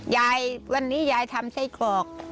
ยายวันนี้ยายทำไส้กรอก